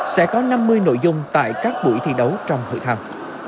sẽ có năm mươi nội dung tại các buổi thi đấu trong hội thảo